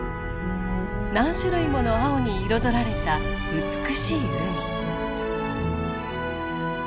何種類もの青に彩られた美しい海。